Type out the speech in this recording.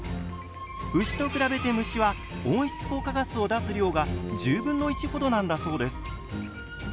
牛と比べて虫は温室効果ガスを出す量が１０分の１ほどなんだそうです。